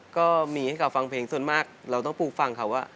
ก็มีให้เขาฟังเพลงส่วนมากเราต้องปลูกฟังเขาว่า